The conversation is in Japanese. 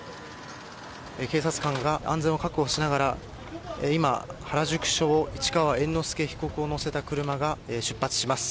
警察官が安全を確保しながら今、原宿署を市川猿之助被告を乗せた車が出発します。